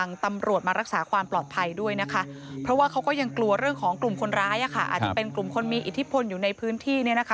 อาจจะเป็นกลุ่มคนมีอิทธิพลอยู่ในพื้นที่